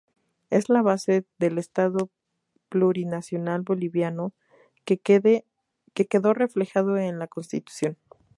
Es la base del Estado Plurinacional Boliviano que quedó reflejado en la Constitución.